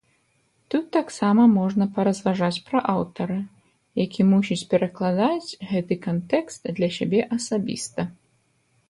Тут таксама можна паразважаць пра аўтара, які мусіць перакладаць гэты кантэкст для сябе асабіста.